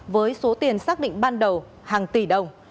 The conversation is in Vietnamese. với số tiền xác định ban đầu hàng tỷ đồng